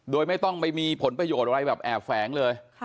โดยไม่ต้องไปมีผลประโยชน์อะไรแบบแอบแฝงเลย